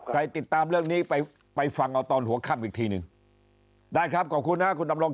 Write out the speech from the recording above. ติดตามเรื่องนี้ไปไปฟังเอาตอนหัวค่ำอีกทีหนึ่งได้ครับขอบคุณนะคุณดำรง